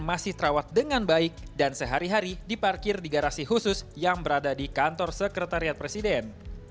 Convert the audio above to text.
masih terawat dengan baik dan sehari hari diparkir di garasi khusus yang berada di kantor sekretariat presiden